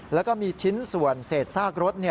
แล้วก็มีชิ้นส่วนเศษซากรถ